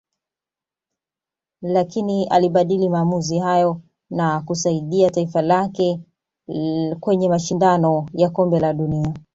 lakini alibadili maamuzi hayo na kusaidia taifa lake kwenye mashindano ya kombe la dunia